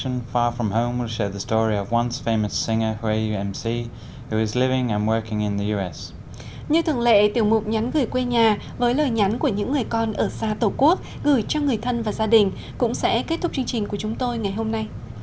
như thường lệ tiểu mục nhắn gửi quê nhà với lời nhắn của những người con ở xa tổ quốc gửi cho người thân và gia đình cũng sẽ kết thúc chương trình của chúng tôi ngày hôm nay